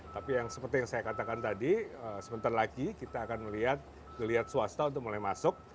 tapi yang seperti yang saya katakan tadi sebentar lagi kita akan melihat swasta untuk mulai masuk